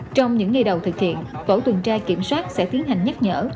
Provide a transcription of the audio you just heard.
trong những ngày đầu thực hiện bộ tường tra kiểm soát sẽ tiến hành nhắc nhở